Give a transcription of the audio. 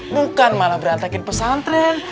bukan malah berantakin pesantren